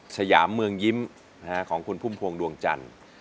สยามเมืองยิ้มของคุณพุ่มพวงดวงจันทร์